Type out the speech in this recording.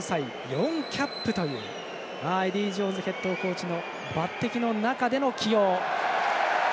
４キャップというエディー・ジョーンズヘッドコーチの抜てきの中での起用。